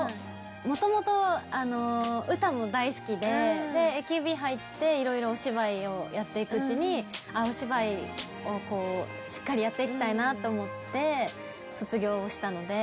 元々歌も大好きででＡＫＢ入って色々お芝居をやっていくうちにお芝居をこうしっかりやっていきたいなと思って卒業したので。